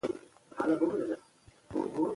د پوهې او معرفت په وسیله یې قوي کړو.